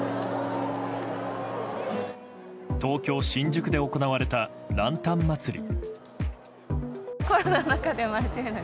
東京・新宿で行われたランタン祭り。